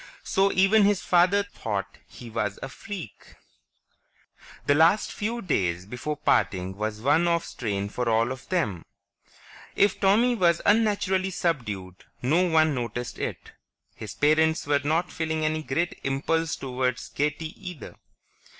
So even his father thought he was a freak. The last few days before parting was one of strain for all of them. If Tommy was unnaturally subdued, no one noticed it; his parents were not feeling any great impulse toward gaiety either.